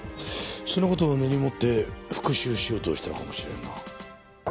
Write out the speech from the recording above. その事を根に持って復讐しようとしたのかもしれんな。